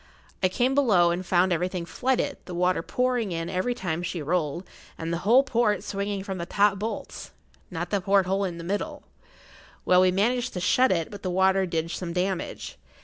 I came below and found everything flooded, the water pouring in every time she rolled, and the whole port swinging from the top bolts—not the porthole in the middle. Well, we managed to shut it, but the water did some damage.